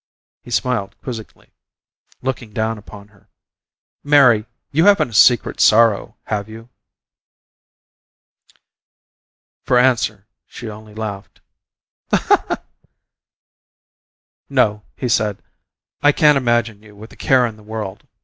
He smiled quizzically, looking down upon her. "Mary, you haven't a 'secret sorrow,' have you?" For answer she only laughed. "No," he said; "I can't imagine you with a care in the world.